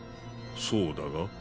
そうだが？